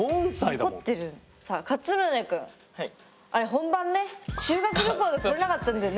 本番ね修学旅行で来れなかったんだよね。